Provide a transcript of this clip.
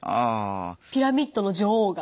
ピラミッドの女王が。